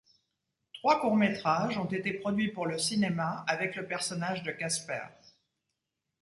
Trois courts-métrages ont été produits pour le cinéma avec le personnage de Casper.